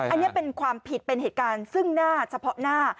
อันนี้เป็นความผิดเป็นเหตุการณ์ซึ่งหน้าเฉพาะหน้า